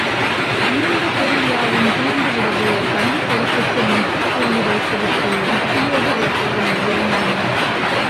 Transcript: இருந்த பொருள்யாவும் தீர்ந்துவிடவே பள்ளிப்படிப்புக்கும் முற்றுப்புள்ளி வைத்துவிட்டு உத்தியோக வேட்டையில் இறங்கினேன்.